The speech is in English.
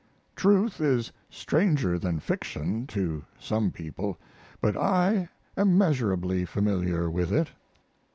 Truth is stranger than fiction to some people, but I am measurably familiar with it.